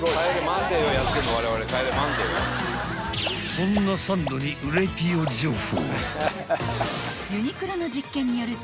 ［そんなサンドにうれぴよ情報］